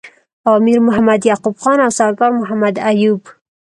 او امیر محمد یعقوب خان او سردار محمد ایوب